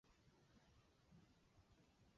雷克斯弗尔。